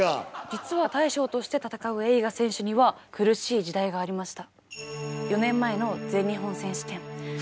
実は大将として戦う栄花選手には苦しい時代がありました。